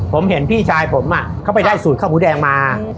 ผมเห็นพี่ชายผมเข้าไปได้สูตรข้าวหมูแดงมา